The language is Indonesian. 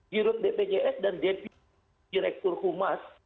girut bpjs dan depi direktur humas